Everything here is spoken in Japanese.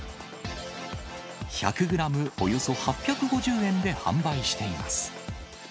１００グラムおよそ８５０円で販売しています。